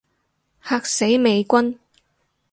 嚇死美軍